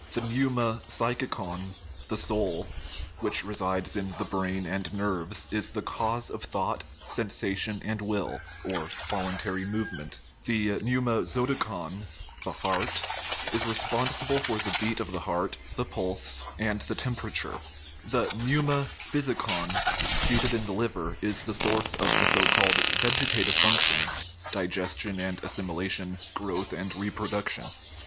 The pneuma psychicon the soul which resides in the brain and nerves, is the cause of thought, sensation, and will (voluntary move ment) ; the pneuma zoticon the heart is responsible for the beat of the heart, the pulse, and the temperature ; the pneuma physicon, seated in the liver, is the source of the so called vegetative functions, digestion and as similation, growth and reproduction.